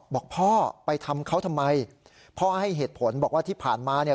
บอกพ่อไปทำเขาทำไมพ่อให้เหตุผลบอกว่าที่ผ่านมาเนี่ย